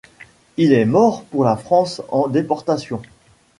Il est mort pour la France en déportation.